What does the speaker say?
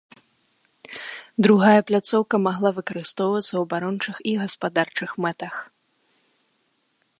Другая пляцоўка магла выкарыстоўвацца ў абарончых і гаспадарчых мэтах.